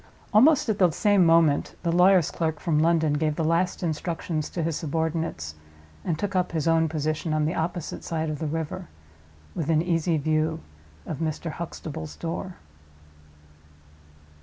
Almost at the same moment the lawyer's clerk from London gave the last instructions to his subordinates, and took up his own position, on the opposite side of the river, within easy view of Mr. Huxtable's door.